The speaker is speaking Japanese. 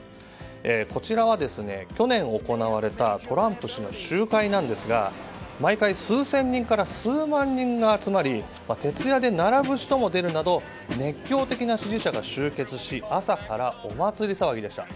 こちらは去年行われたトランプ氏の集会ですが、毎回数千人から数万人が集まり徹夜で並ぶ人も出るなど熱狂的な支持者が集結し朝からお祭り騒ぎでした。